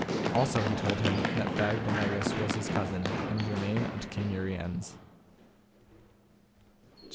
Also he told him that Bagdemegus was his cousin, and germain unto King Uriens. CHAPTER XII.